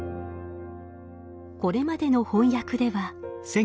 これまでの翻訳では。